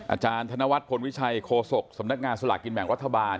อาจารย์ธนวัฒนพลวิชัยโฆษกสำนักงานสลากกินแบ่งรัฐบาล